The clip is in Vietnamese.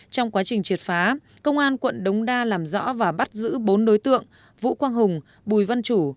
trong quá trình triệt phá công an quận đống đa làm rõ và bắt giữ bốn đối tượng vũ quang hùng bùi văn chủ